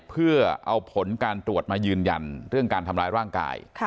เพื่อเอาผลการตรวจมายืนยันเรื่องการทำร้ายร่างกาย